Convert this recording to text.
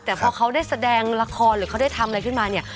แต่พอเขาได้แสดงละครหรือเขาได้ทำอะไรขึ้นมาเนี่ย